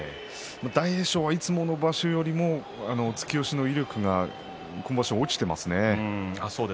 大栄翔はいつもの場所よりも突き押しの威力が今場所は落ちていますね。